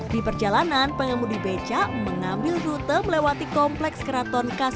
di perjalanan pengamudi beca mengambil rute melewati kompleks keraton kasunanarik